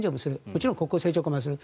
もちろん国交正常化もする。